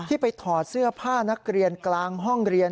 ไปถอดเสื้อผ้านักเรียนกลางห้องเรียน